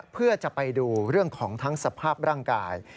เพื่อจะไปดูเรื่องของทั้งสภาพร่างกาย